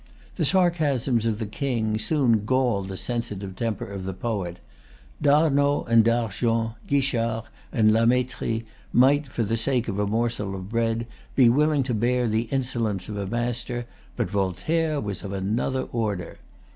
The sarcasms of the King soon galled the sensitive temper of the poet. D'Arnaud and D'Argens, Guichard and La Métrie, might, for the sake of a morsel of bread, be willing to bear the insolence of a master; but Voltaire was of another order.